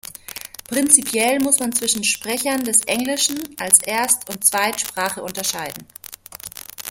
Prinzipiell muss man zwischen Sprechern des Englischen als Erst- und Zweitsprache unterscheiden.